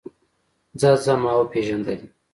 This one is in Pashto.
ځه ځه ما وپېژندلې.